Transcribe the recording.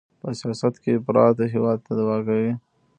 په سیاست کې افراط هېواد تباه کوي.